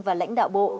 và lãnh đạo bộ